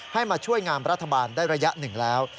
มาช่วยงามรัฐบาลได้ระยะหนึ่งแล้ว